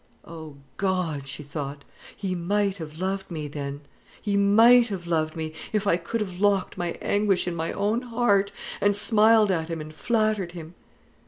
"O God!" she thought, "he might have loved me, then! He might have loved me, if I could have locked my anguish in my own heart, and smiled at him and flattered him."